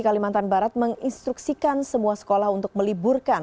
kalimantan barat menginstruksikan semua sekolah untuk meliburkan